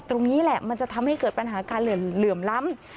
ตรงนี้แหละมันจะทำให้เกิดปัญหาการเหลื่อมล้ำ